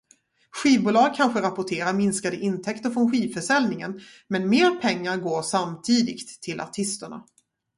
Skivbolag kanske rapporterar minskade intäkter från skivförsäljningen, men mer pengar går samtidigt till artisterna.